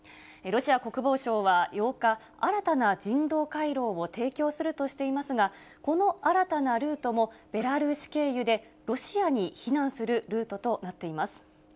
ロシア国防省は８日、新たな人道回廊を提供するとしていますが、この新たなルートもベラルーシ経由で、ロシアに避難するルートとなっています。